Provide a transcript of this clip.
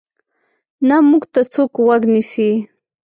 نه موږ ته څوک غوږ نیسي.